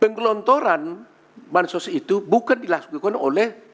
penggelontoran bantuan sosial itu bukan dilakukan oleh